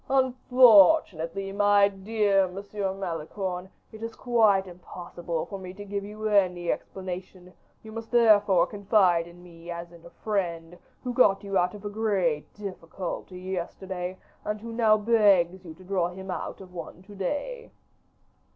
"Unfortunately, my dear Monsieur Malicorne, it is quite impossible for me to give you any explanation; you must therefore confide in me as in a friend who got you out of a great difficulty yesterday, and who now begs you to draw him out of one to day."